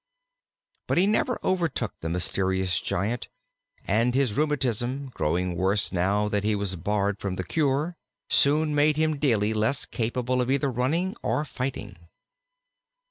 But he never overtook the mysterious giant, and his rheumatism, growing worse now that he was barred from the cure, soon made him daily less capable of either running or fighting.